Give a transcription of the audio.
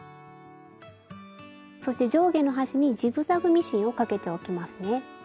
そして上下の端にジグザグミシンをかけておきますね。